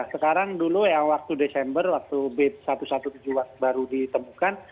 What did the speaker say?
sekarang dulu yang waktu desember waktu b satu satu tujuh belas baru ditemukan